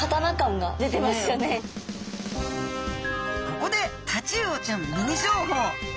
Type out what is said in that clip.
ここでタチウオちゃんミニ情報。